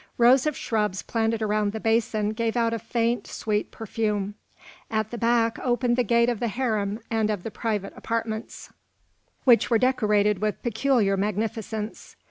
Rows of shrubs planted around the basin gave out a faint, sweet perfume. At the back opened the gate of the harem and of the private apartments, which were decorated with peculiar magnificence.